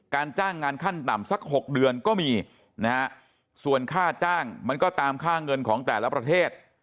จ้างงานขั้นต่ำสัก๖เดือนก็มีนะฮะส่วนค่าจ้างมันก็ตามค่าเงินของแต่ละประเทศ